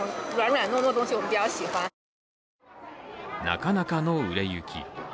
なかなかの売れ行き。